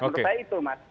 menurut saya itu mas